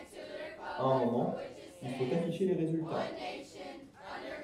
À un moment, il faut afficher les résultats.